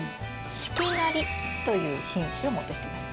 四季なりという品種を持ってきてます。